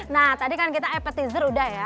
nah tadi kan kita appetizer udah ya